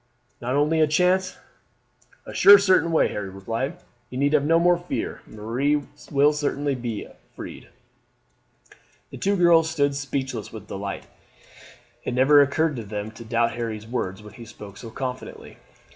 "Not only a chance?" "A sure, certain way," Harry replied. "You need have no more fear; Marie will certainly be freed." The two girls stood speechless with delight. It never occurred to them to doubt Harry's words when he spoke so confidently.